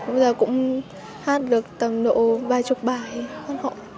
bây giờ cũng hát được tầm độ ba mươi bài quan họ